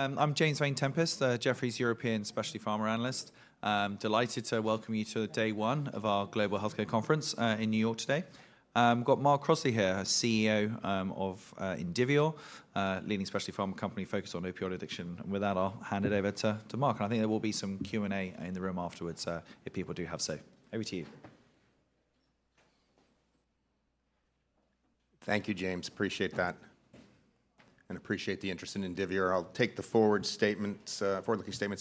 I'm James Vane-Tempest, Jefferies European specialty pharma analyst. I'm delighted to welcome you to day one of our Global Healthcare Conference in New York today. We've got Mark Crossley here, CEO of Indivior, leading specialty pharma company focused on opioid addiction. With that, I'll hand it over to Mark, and I think there will be some Q&A in the room afterwards, if people do have so. Over to you. Thank you, James. Appreciate that, and appreciate the interest in Indivior. I'll take the forward-looking statements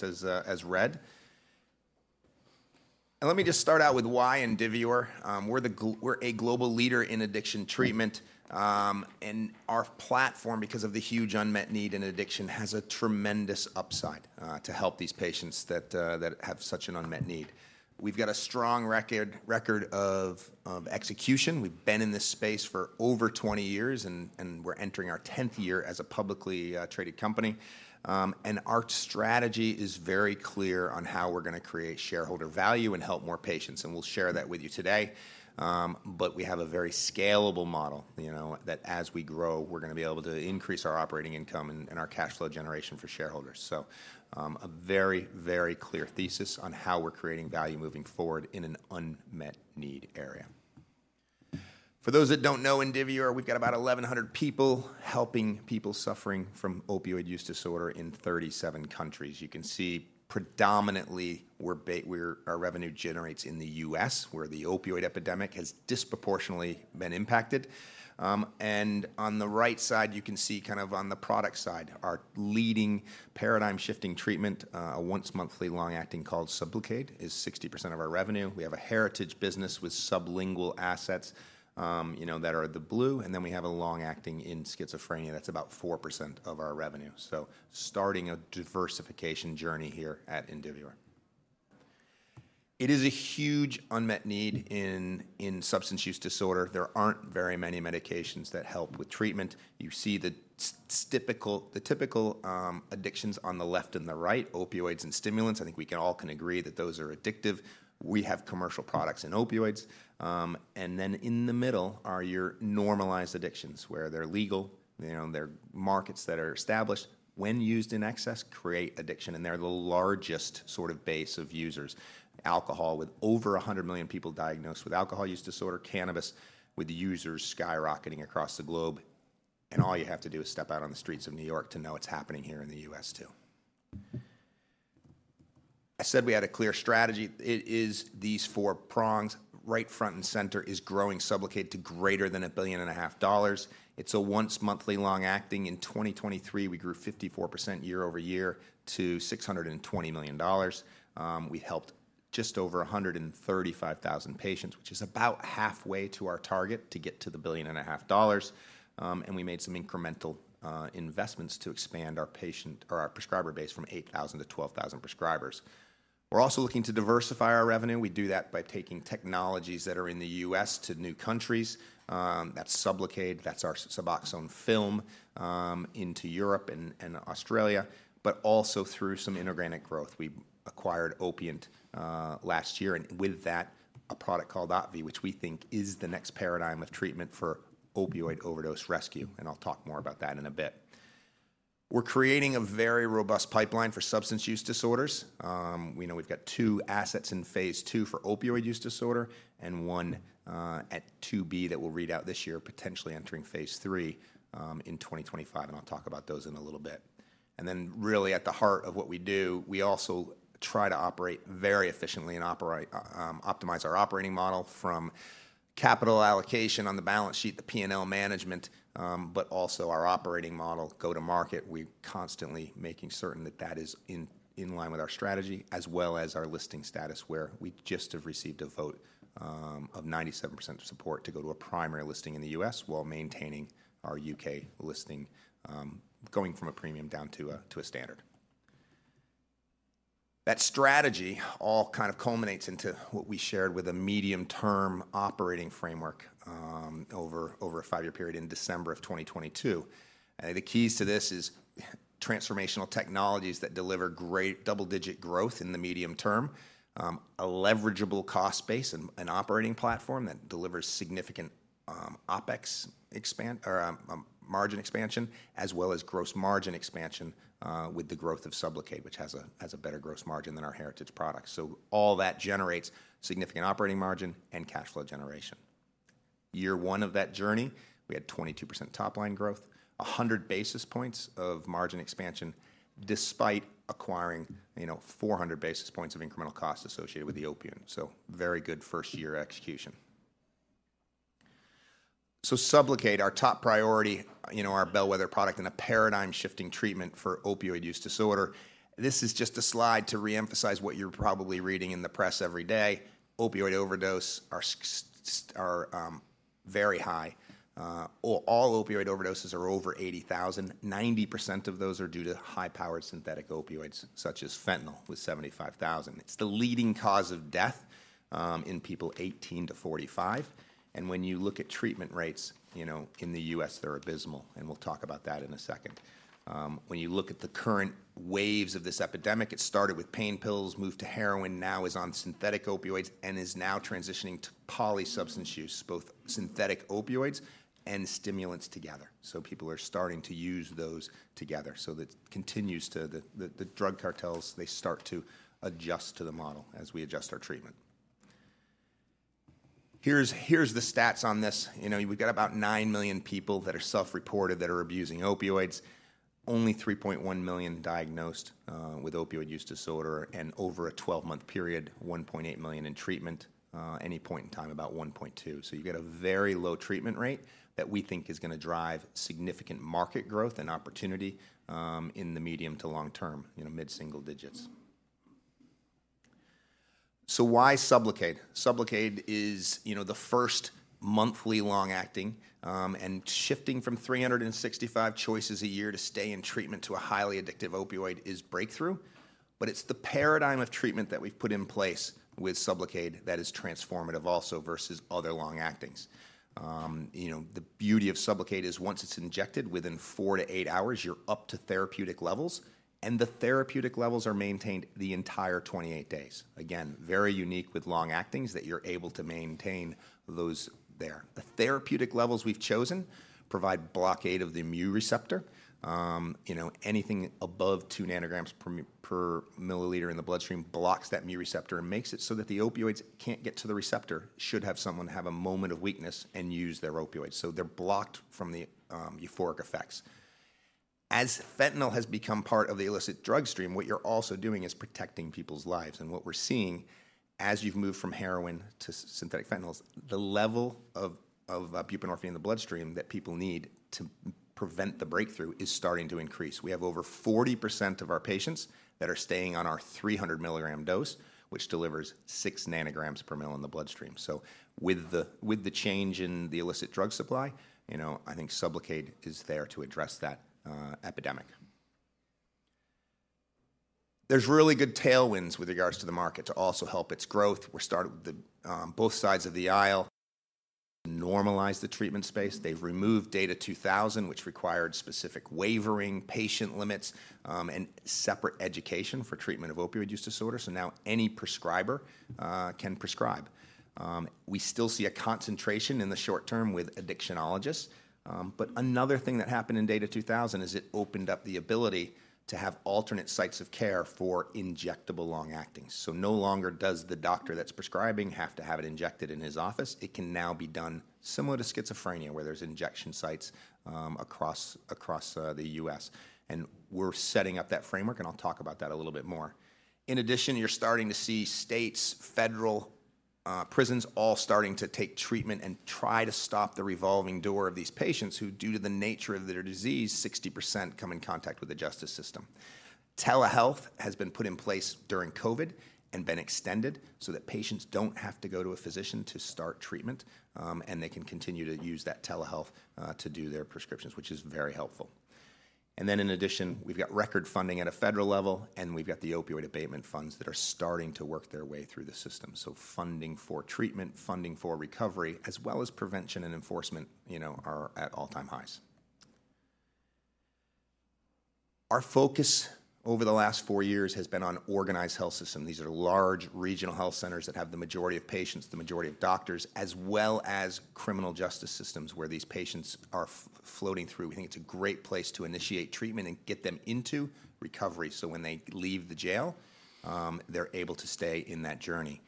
as read. Let me just start out with why Indivior? We're a global leader in addiction treatment, and our platform, because of the huge unmet need in addiction, has a tremendous upside to help these patients that have such an unmet need. We've got a strong record of execution. We've been in this space for over 20 years, and we're entering our 10th year as a publicly traded company. Our strategy is very clear on how we're going to create shareholder value and help more patients, and we'll share that with you today. But we have a very scalable model, you know, that as we grow, we're going to be able to increase our operating income and our cash flow generation for shareholders. So, a very, very clear thesis on how we're creating value moving forward in an unmet need area. For those that don't know Indivior, we've got about 1,100 people helping people suffering from opioid use disorder in 37 countries. You can see predominantly, our revenue generates in the U.S., where the opioid epidemic has disproportionately been impacted. And on the right side, you can see kind of on the product side, our leading paradigm-shifting treatment, a once-monthly long-acting called Sublocade, is 60% of our revenue. We have a heritage business with sublingual assets, you know, that are the blue, and then we have a long-acting in schizophrenia that's about 4% of our revenue. So starting a diversification journey here at Indivior. It is a huge unmet need in substance use disorder. There aren't very many medications that help with treatment. You see the typical addictions on the left and the right, opioids and stimulants. I think we can all agree that those are addictive. We have commercial products in opioids. And then in the middle are your normalized addictions, where they're legal, you know, they're markets that are established, when used in excess, create addiction, and they're the largest sort of base of users. Alcohol, with over 100 million people diagnosed with alcohol use disorder. Cannabis, with users skyrocketing across the globe. All you have to do is step out on the streets of New York to know it's happening here in the U.S., too. I said we had a clear strategy. It is these four prongs. Right front and center is growing Sublocade to greater than $1.5 billion. It's a once-monthly long-acting. In 2023, we grew 54% year-over-year to $620 million. We helped just over 135,000 patients, which is about halfway to our target to get to the $1.5 billion. We made some incremental investments to expand our patient or our prescriber base from 8,000 to 12,000 prescribers. We're also looking to diversify our revenue. We do that by taking technologies that are in the U.S. to new countries. That's Sublocade, that's our Suboxone film into Europe and Australia, but also through some inorganic growth. We acquired Opiant last year, and with that, a product called OPVEE, which we think is the next paradigm of treatment for opioid overdose rescue, and I'll talk more about that in a bit. We're creating a very robust pipeline for substance use disorders. We know we've got two assets in phase 2 for opioid use disorder and one at 2b that we'll read out this year, potentially entering phase 3 in 2025, and I'll talk about those in a little bit. Then really at the heart of what we do, we also try to operate very efficiently and operate, optimize our operating model from capital allocation on the balance sheet, the P&L management, but also our operating model go-to-market. We're constantly making certain that that is in line with our strategy, as well as our listing status, where we just have received a vote of 97% support to go to a primary listing in the U.S. while maintaining our U.K. listing, going from a premium down to a standard. That strategy all kind of culminates into what we shared with a medium-term operating framework over a five-year period in December 2022. The keys to this is transformational technologies that deliver great double-digit growth in the medium term, a leverageable cost base and an operating platform that delivers significant OpEx or margin expansion, as well as gross margin expansion with the growth of Sublocade, which has a better gross margin than our heritage products. So all that generates significant operating margin and cash flow generation. Year one of that journey, we had 22% top-line growth, 100 basis points of margin expansion, despite acquiring, you know, 400 basis points of incremental costs associated with the Opiant. So very good first-year execution. So Sublocade, our top priority, you know, our bellwether product and a paradigm-shifting treatment for opioid use disorder. This is just a slide to reemphasize what you're probably reading in the press every day. Opioid overdoses are very high. All opioid overdoses are over 80,000. 90% of those are due to high-powered synthetic opioids, such as fentanyl, with 75,000. It's the leading cause of death in people 18 to 45, and when you look at treatment rates, you know, in the U.S., they're abysmal, and we'll talk about that in a second. When you look at the current waves of this epidemic, it started with pain pills, moved to heroin, now is on synthetic opioids and is now transitioning to poly substance use, both synthetic opioids and stimulants together. So people are starting to use those together. So it continues to... The drug cartels, they start to adjust to the model as we adjust our treatment. Here's the stats on this. You know, we've got about 9 million people that are self-reported that are abusing opioids. Only 3.1 million diagnosed with opioid use disorder, and over a 12-month period, 1.8 million in treatment, any point in time, about 1.2. So you get a very low treatment rate that we think is going to drive significant market growth and opportunity in the medium to long term, you know, mid-single digits. So why Sublocade? Sublocade is, you know, the first monthly long-acting, and shifting from 365 choices a year to stay in treatment to a highly addictive opioid is breakthrough. But it's the paradigm of treatment that we've put in place with Sublocade that is transformative also versus other long-actings. You know, the beauty of Sublocade is once it's injected, within 4-8 hours, you're up to therapeutic levels, and the therapeutic levels are maintained the entire 28 days. Again, very unique with long-actings that you're able to maintain those there. The therapeutic levels we've chosen provide blockade of the Mu receptor. You know, anything above 2 nanograms per milliliter in the bloodstream blocks that Mu receptor and makes it so that the opioids can't get to the receptor, should have someone have a moment of weakness and use their opioids. So they're blocked from the, euphoric effects. As Fentanyl has become part of the illicit drug stream, what you're also doing is protecting people's lives. And what we're seeing, as you've moved from heroin to synthetic fentanyls, the level of, of, buprenorphine in the bloodstream that people need to prevent the breakthrough is starting to increase. We have over 40% of our patients that are staying on our 300 milligram dose, which delivers 6 nanograms per mil in the bloodstream. So with the change in the illicit drug supply, you know, I think Sublocade is there to address that epidemic. There's really good tailwinds with regards to the market to also help its growth. We're starting with the both sides of the aisle normalize the treatment space. They've removed DATA 2000, which required specific waiver patient limits, and separate education for treatment of Opioid Use Disorder. So now any prescriber can prescribe. We still see a concentration in the short term with addictionologists. But another thing that happened in DATA 2000 is it opened up the ability to have alternate sites of care for injectable long-acting. So no longer does the doctor that's prescribing have to have it injected in his office. It can now be done similar to Schizophrenia, where there's injection sites across the U.S. And we're setting up that framework, and I'll talk about that a little bit more. In addition, you're starting to see states, federal, prisons, all starting to take treatment and try to stop the revolving door of these patients who, due to the nature of their disease, 60% come in contact with the justice system. Telehealth has been put in place during COVID and been extended so that patients don't have to go to a physician to start treatment, and they can continue to use that telehealth to do their prescriptions, which is very helpful. And then in addition, we've got record funding at a federal level, and we've got the opioid abatement funds that are starting to work their way through the system. So funding for treatment, funding for recovery, as well as prevention and enforcement, you know, are at all-time highs. Our focus over the last four years has been on organized health system. These are large regional health centers that have the majority of patients, the majority of doctors, as well as criminal justice systems, where these patients are floating through. We think it's a great place to initiate treatment and get them into recovery, so when they leave the jail, they're able to stay in that journey.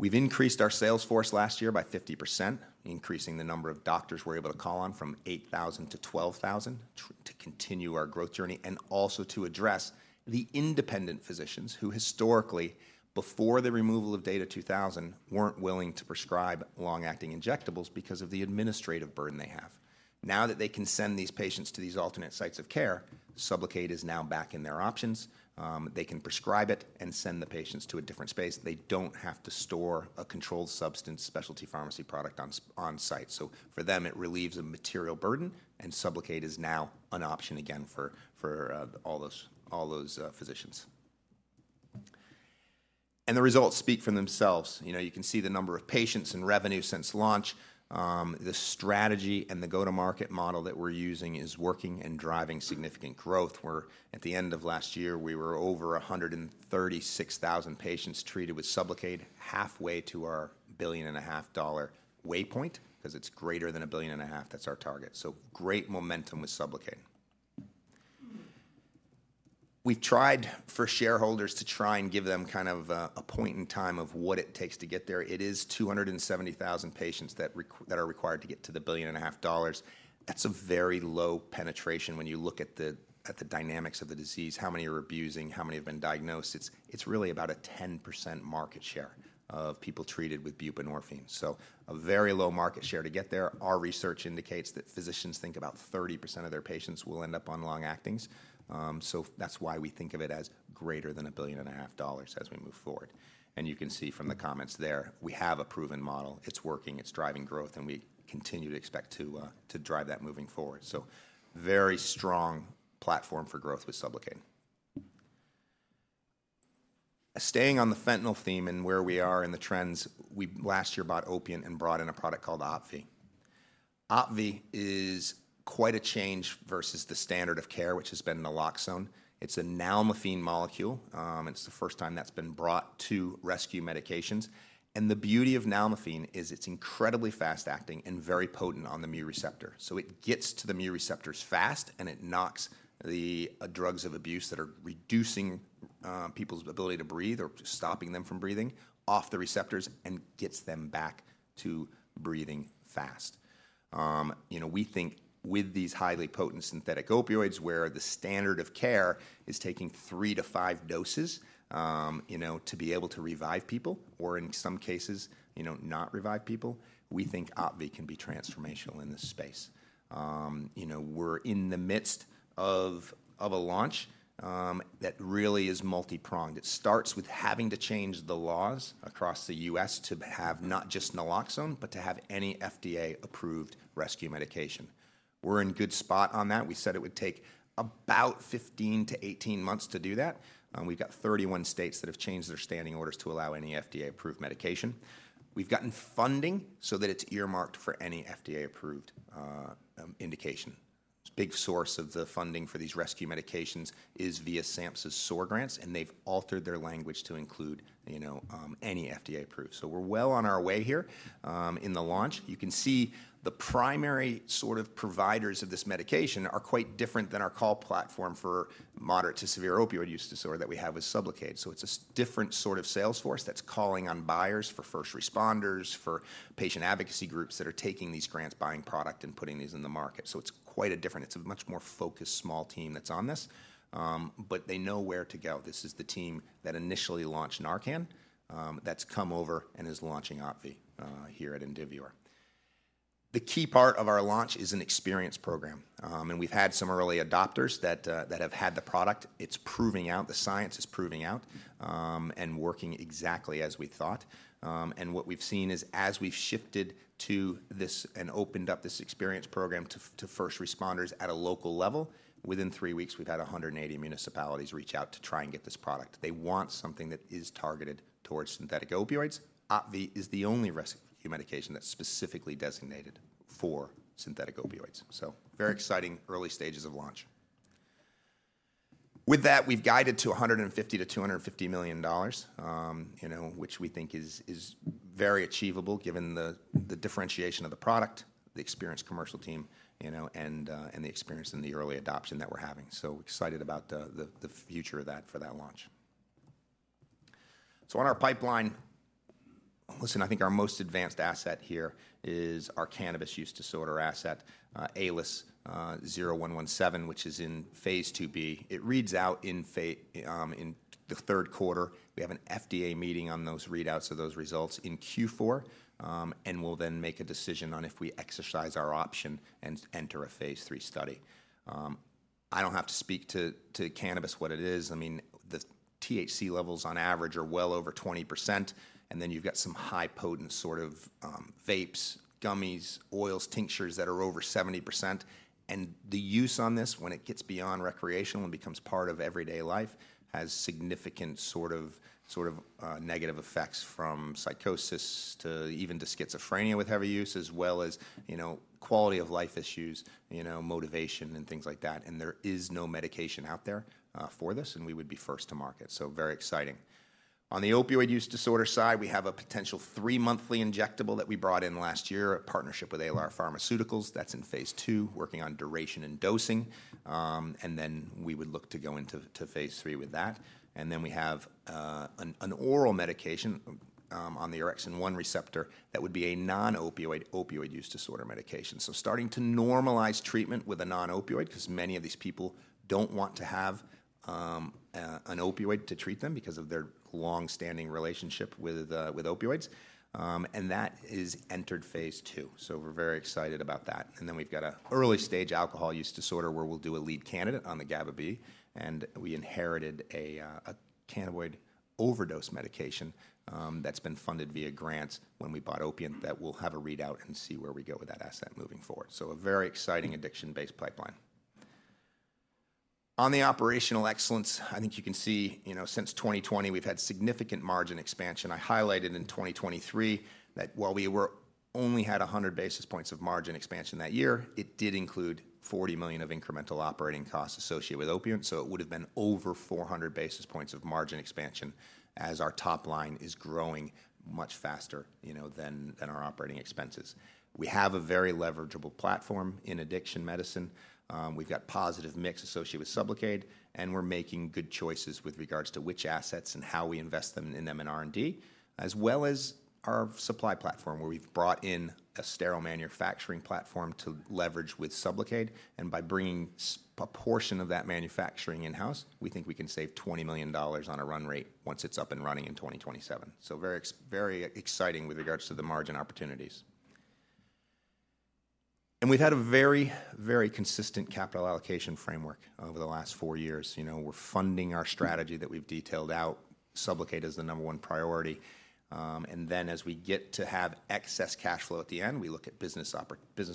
We've increased our sales force last year by 50%, increasing the number of doctors we're able to call on from 8,000 to 12,000, to continue our growth journey and also to address the independent physicians who historically, before the removal of DATA 2000, weren't willing to prescribe long-acting injectables because of the administrative burden they have. Now that they can send these patients to these alternate sites of care, Sublocade is now back in their options. They can prescribe it and send the patients to a different space. They don't have to store a controlled-substance specialty pharmacy product on-site. So for them, it relieves a material burden, and Sublocade is now an option again for all those physicians. The results speak for themselves. You know, you can see the number of patients and revenue since launch. The strategy and the go-to-market model that we're using is working and driving significant growth, where at the end of last year, we were over 136,000 patients treated with Sublocade, halfway to our $1.5 billion waypoint, 'cause it's greater than $1.5 billion. That's our target. So great momentum with Sublocade. We've tried for shareholders to try and give them kind of a point in time of what it takes to get there. It is 270,000 patients that are required to get to the $1.5 billion. That's a very low penetration when you look at the dynamics of the disease, how many are abusing, how many have been diagnosed. It's really about a 10% market share of people treated with buprenorphine, so a very low market share to get there. Our research indicates that physicians think about 30% of their patients will end up on long-actings. So that's why we think of it as greater than $1.5 billion as we move forward. And you can see from the comments there, we have a proven model. It's working, it's driving growth, and we continue to expect to, to drive that moving forward. So very strong platform for growth with Sublocade. Staying on the fentanyl theme and where we are in the trends, we last year bought Opiant and brought in a product called OPVEE. OPVEE is quite a change versus the standard of care, which has been naloxone. It's a nalmefene molecule. It's the first time that's been brought to rescue medications. And the beauty of nalmefene is it's incredibly fast-acting and very potent on the mu receptor. So it gets to the mu receptors fast, and it knocks the, drugs of abuse that are reducing people's ability to breathe or stopping them from breathing, off the receptors and gets them back to breathing fast. You know, we think with these highly potent synthetic opioids, where the standard of care is taking 3-5 doses, you know, to be able to revive people, or in some cases, you know, not revive people, we think OPVEE can be transformational in this space. You know, we're in the midst of a launch that really is multi-pronged. It starts with having to change the laws across the US to have not just naloxone, but to have any FDA-approved rescue medication. We're in a good spot on that. We said it would take about 15-18 months to do that, and we've got 31 states that have changed their standing orders to allow any FDA-approved medication. We've gotten funding so that it's earmarked for any FDA-approved indication. Big source of the funding for these rescue medications is via SAMHSA's SOR grants, and they've altered their language to include, you know, any FDA-approved. So we're well on our way here in the launch. You can see the primary sort of providers of this medication are quite different than our call platform for moderate to severe opioid use disorder that we have with Sublocade. So it's a different sort of sales force that's calling on buyers for first responders, for patient advocacy groups that are taking these grants, buying product, and putting these in the market. So it's quite a different, it's a much more focused, small team that's on this, but they know where to go. This is the team that initially launched Narcan, that's come over and is launching OPVEE here at Indivior. The key part of our launch is an experience program. And we've had some early adopters that have had the product. It's proving out. The science is proving out, and working exactly as we thought. And what we've seen is as we've shifted to this and opened up this experience program to first responders at a local level, within three weeks, we've had 180 municipalities reach out to try and get this product. They want something that is targeted towards synthetic opioids. OPVEE is the only rescue medication that's specifically designated for synthetic opioids. So very exciting early stages of launch. With that, we've guided to $150-$250 million, you know, which we think is very achievable given the differentiation of the product, the experienced commercial team, you know, and the experience in the early adoption that we're having. So excited about the future of that for that launch. So on our pipeline, listen, I think our most advanced asset here is our cannabis use disorder asset, AEF0117, which is in phase IIb. It reads out in the third quarter. We have an FDA meeting on those readouts of those results in Q4, and we'll then make a decision on if we exercise our option and enter a phase III study. I don't have to speak to cannabis, what it is. I mean, the THC levels on average are well over 20%, and then you've got some high-potent sort of vapes, gummies, oils, tinctures that are over 70%. And the use on this, when it gets beyond recreational and becomes part of everyday life, has significant sort of, sort of negative effects, from psychosis to even to schizophrenia with heavy use, as well as, you know, quality of life issues, you know, motivation and things like that. And there is no medication out there for this, and we would be first to market, so very exciting. On the opioid use disorder side, we have a potential three-monthly injectable that we brought in last year, a partnership with Alar Pharmaceuticals. That's in phase II, working on duration and dosing. And then we would look to go into phase III with that. And then we have an oral medication on the Orexin-1 receptor that would be a non-opioid opioid use disorder medication. So starting to normalize treatment with a non-opioid, 'cause many of these people don't want to have an opioid to treat them because of their long-standing relationship with opioids. And that is entered phase II, so we're very excited about that. And then we've got an early-stage alcohol use disorder, where we'll do a lead candidate on the GABA-B, and we inherited a cannabinoid overdose medication that's been funded via grants when we bought Opiant, that we'll have a readout and see where we go with that asset moving forward. So a very exciting addiction-based pipeline. On the operational excellence, I think you can see, you know, since 2020, we've had significant margin expansion. I highlighted in 2023 that while we only had 100 basis points of margin expansion that year, it did include $40 million of incremental operating costs associated with Opiant, so it would have been over 400 basis points of margin expansion as our top line is growing much faster, you know, than our operating expenses. We have a very leverageable platform in addiction medicine. We've got positive mix associated with Sublocade, and we're making good choices with regards to which assets and how we invest them in them in R&D, as well as our supply platform, where we've brought in a sterile manufacturing platform to leverage with Sublocade. And by bringing a portion of that manufacturing in-house, we think we can save $20 million on a run rate once it's up and running in 2027. So very exciting with regards to the margin opportunities. And we've had a very, very consistent capital allocation framework over the last four years. You know, we're funding our strategy that we've detailed out. Sublocade is the number one priority. And then as we get to have excess cash flow at the end, we look at business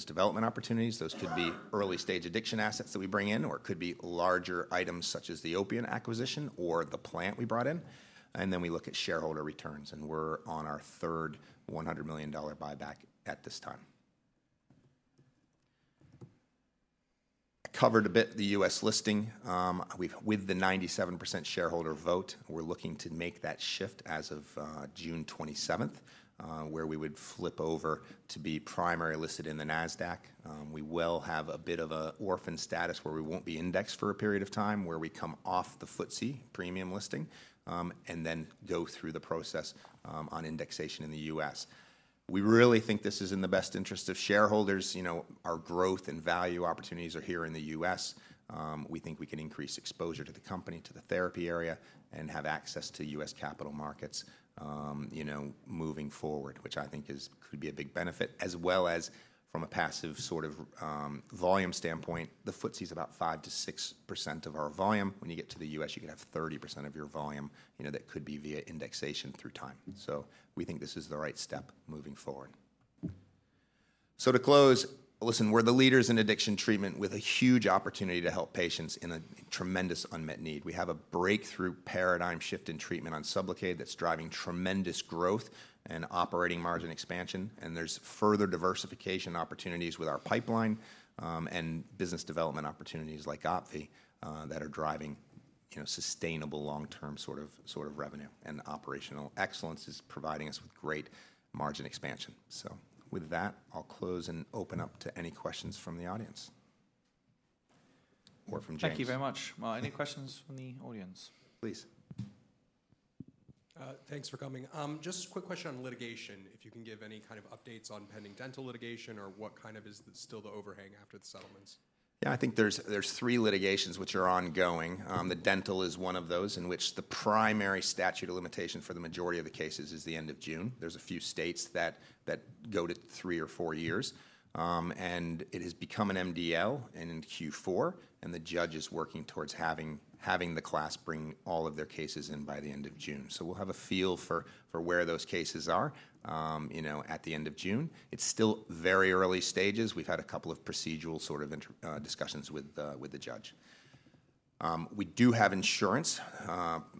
development opportunities. Those could be early-stage addiction assets that we bring in, or it could be larger items, such as the Opiant acquisition or the plant we brought in. And then we look at shareholder returns, and we're on our third $100 million buyback at this time. I covered a bit the U.S. listing. We've with the 97% shareholder vote, we're looking to make that shift as of, June twenty-seventh, where we would flip over to be primary listed in the Nasdaq. We will have a bit of a orphan status, where we won't be indexed for a period of time, where we come off the FTSE premium listing, and then go through the process on indexation in the U.S. We really think this is in the best interest of shareholders. You know, our growth and value opportunities are here in the U.S. We think we can increase exposure to the company, to the therapy area, and have access to U.S. capital markets, you know, moving forward, which I think is, could be a big benefit, as well as from a passive sort of, volume standpoint. The FTSE is about 5%-6% of our volume. When you get to the U.S., you could have 30% of your volume, you know, that could be via indexation through time. So we think this is the right step moving forward. So to close, listen, we're the leaders in addiction treatment with a huge opportunity to help patients in a tremendous unmet need. We have a breakthrough paradigm shift in treatment on Sublocade that's driving tremendous growth and operating margin expansion, and there's further diversification opportunities with our pipeline, and business development opportunities like OPVEE, that are driving, you know, sustainable long-term sort of revenue. And operational excellence is providing us with great margin expansion. So with that, I'll close and open up to any questions from the audience or from James. Thank you very much. Any questions from the audience? Please. Thanks for coming. Just a quick question on litigation, if you can give any kind of updates on pending patent litigation or what kind of is still the overhang after the settlements? Yeah, I think there's three litigations which are ongoing. The dental is one of those in which the primary statute of limitation for the majority of the cases is the end of June. There's a few states that go to three or four years, and it has become an MDL in Q4, and the judge is working towards having the class bring all of their cases in by the end of June. So we'll have a feel for where those cases are, you know, at the end of June. It's still very early stages. We've had a couple of procedural sort of discussions with the judge. We do have insurance,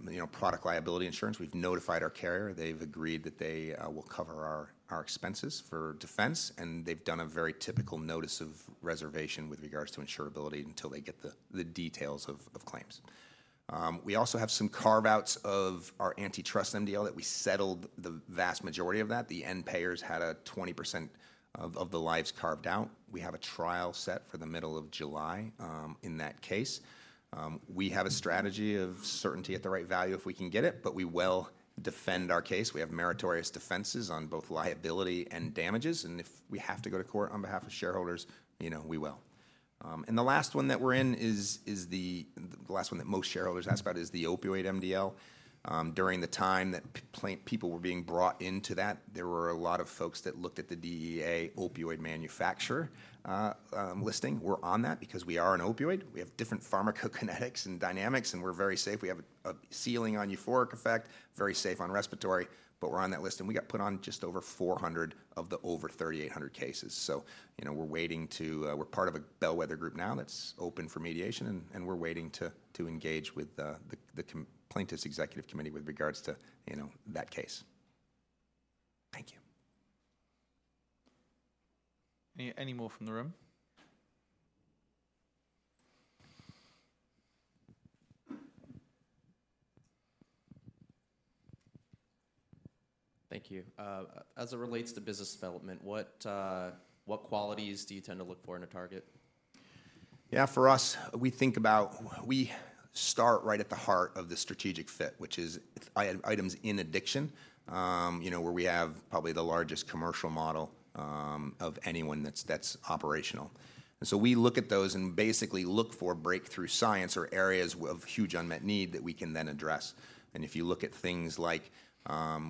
you know, product liability insurance. We've notified our carrier. They've agreed that they will cover our, our expenses for defense, and they've done a very typical notice of reservation with regards to insurability until they get the, the details of, of claims. We also have some carve-outs of our antitrust MDL that we settled the vast majority of that. The end payers had a 20% of, of the lives carved out. We have a trial set for the middle of July, in that case. We have a strategy of certainty at the right value, if we can get it, but we will defend our case. We have meritorious defenses on both liability and damages, and if we have to go to court on behalf of shareholders, you know, we will. And the last one that we're in is the... The last one that most shareholders ask about is the opioid MDL. During the time that people were being brought into that, there were a lot of folks that looked at the DEA opioid manufacturer listing. We're on that because we are an opioid. We have different pharmacokinetics and dynamics, and we're very safe. We have a ceiling on euphoric effect, very safe on respiratory, but we're on that list, and we got put on just over 400 of the over 3,800 cases. So, you know, we're waiting to. We're part of a bellwether group now that's open for mediation, and we're waiting to engage with the Plaintiffs' Executive Committee with regards to, you know, that case. Thank you. Any, any more from the room? Thank you. As it relates to business development, what qualities do you tend to look for in a target? Yeah, for us, we think about items in addiction, you know, where we have probably the largest commercial model of anyone that's operational. And so we look at those and basically look for breakthrough science or areas of huge unmet need that we can then address. And if you look at things like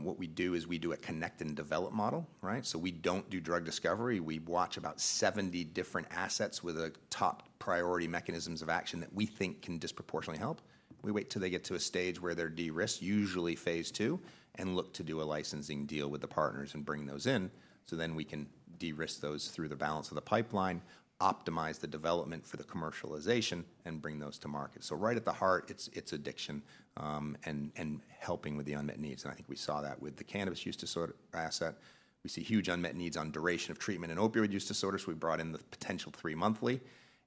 what we do is we do a connect and develop model, right? So we don't do drug discovery. We watch about 70 different assets with a top priority mechanisms of action that we think can disproportionately help. We wait till they get to a stage where they're de-risked, usually phase 2, and look to do a licensing deal with the partners and bring those in. So then we can de-risk those through the balance of the pipeline, optimize the development for the commercialization, and bring those to market. So right at the heart, it's addiction and helping with the unmet needs. And I think we saw that with the cannabis use disorder asset. We see huge unmet needs on duration of treatment and opioid use disorder, so we brought in the potential three monthly.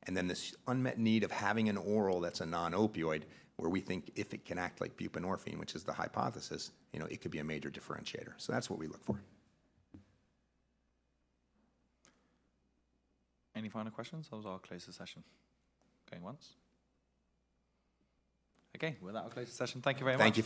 And then this unmet need of having an oral that's a non-opioid, where we think if it can act like buprenorphine, which is the hypothesis, you know, it could be a major differentiator. So that's what we look for. Any final questions, or I'll close the session? Going once. Okay, with that, I'll close the session. Thank you very much. Thank you.